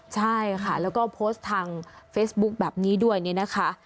ใช่ค่ะแล้วก็โพสต์ทางเฟซบุ๊คแบบนี้ด้วยเนี่ยนะคะ